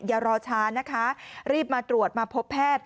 อย่ารอช้านะคะรีบมาตรวจมาพบแพทย์